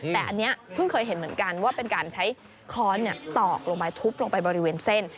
แต่อันนี้เพิ่งเคยเห็นเหมือนกันว่าเป็นการใช้ค้อนตอกลงไปทุบลงไปบริเวณเส้น